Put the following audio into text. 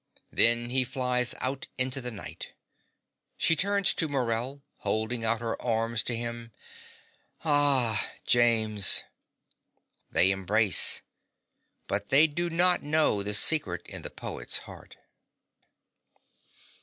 Then he flies out into the night. She turns to Morell, holding out her arms to him.) Ah, James! (They embrace. But they do not know the secret in the poet's heart.)